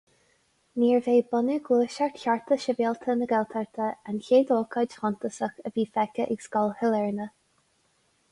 Níorbh é bunú Gluaiseacht Chearta Sibhialta na Gaeltachta an chéad ócáid shuntasach a bhí feicthe ag Scoil Shailearna.